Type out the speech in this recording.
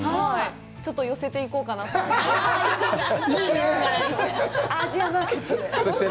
ちょっと寄せていこうかなと思って。